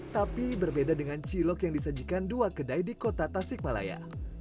tapi berbeda dengan cilok yang disajikan dua kedai di kota tasikmalaya